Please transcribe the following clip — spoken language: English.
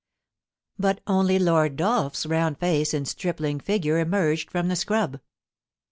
But only Lord Dolph's round face and stripling figure emerged from the scrub.